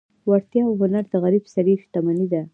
وړتیا او هنر د غریب سړي شتمني ده.